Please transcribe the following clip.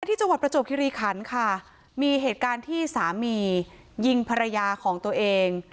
ที่จังหวัดประจวบคิริขันค่ะมีเหตุการณ์ที่สามียิงภรรยาของตัวเอง